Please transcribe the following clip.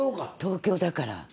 東京だから。